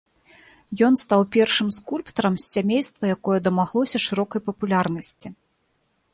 Ён стаў першым скульптарам з сямейства, якое дамаглося шырокай папулярнасці.